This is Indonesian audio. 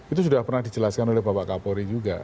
itu sudah pernah dijelaskan oleh bapak kapolri juga